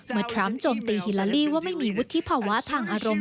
ทรัมป์โจมตีฮิลาลีว่าไม่มีวุฒิภาวะทางอารมณ์